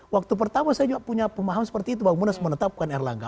waktu pertama saya juga punya pemahaman seperti itu bang munas menetapkan erlangga